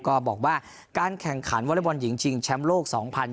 ก็บอกว่าการแข่งขันวอเล็กบอลหญิงชิงแชมป์โลก๒๐๒๐